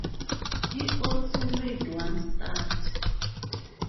He also made one start.